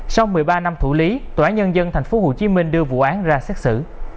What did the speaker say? sau một mươi ba năm thủ lý tòa án nhân dân tp hcm đưa vụ án ra xét xử